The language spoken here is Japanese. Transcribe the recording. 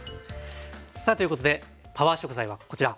さあということでパワー食材はこちら。